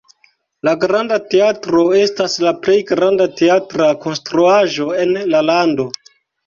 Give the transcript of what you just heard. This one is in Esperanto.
La Granda Teatro estas la plej granda teatra konstruaĵo en la lando.